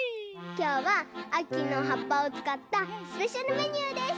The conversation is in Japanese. きょうはあきのはっぱをつかったスペシャルメニューです！